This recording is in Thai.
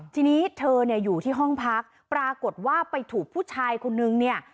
ทีนี้เธอเนี่ยอยู่ที่ห้องพักปรากฏว่าไปถูกผู้ชายคนนึงเนี่ย